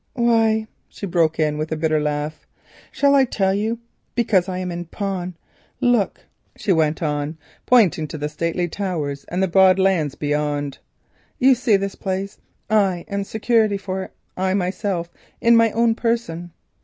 "Why?" she broke in with a bitter little laugh, "shall I tell you why? Because I am in pawn! Look," she went on, pointing to the stately towers and the broad lands beyond. "You see this place. I am security for it, I myself in my own person.